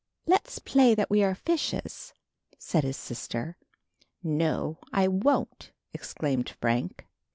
"Let's play that we are fishes," said his sister. "No, I won't," exclaimed Frank.